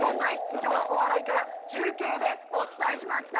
きょうは大洗から中継でお伝えしました。